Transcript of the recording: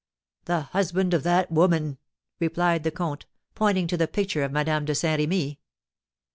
"The husband of that woman!" replied the comte, pointing to the picture of Madame de Saint Remy.